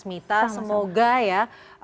selamat malam semoga ya